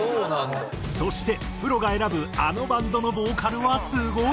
そしてプロが選ぶあのバンドのボーカルはすごい！